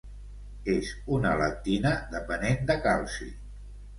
És una lectina depenent de calci.